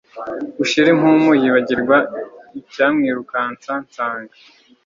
ushire impumu yibagirwa icyamwirukansa nsaga